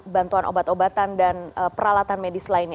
bantuan obat obatan dan peralatan medis lainnya